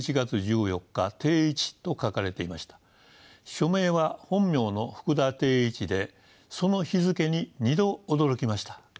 署名は本名の福田定一でその日付に２度驚きました。